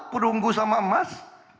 perunggu sama emas